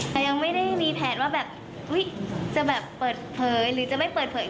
แต่ยังไม่ได้มีแผนว่าแบบจะแบบเปิดเผยหรือจะไม่เปิดเผย